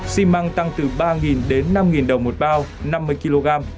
xi măng tăng từ ba đến năm đồng một bao năm mươi kg